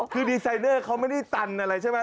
คือดีไซเนอร์เขาไม่ได้ตันอะไรใช่ไหม